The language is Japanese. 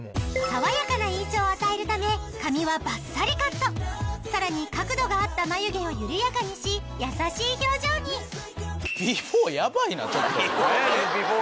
爽やかな印象を与えるため髪はばっさりカットさらに角度があった眉毛を緩やかにし優しい表情にこいつと。